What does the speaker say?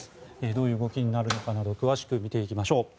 どういう動きになるのか詳しく見ていきましょう。